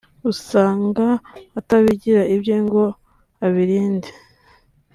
ugasanga atabigira ibye ngo abirinde”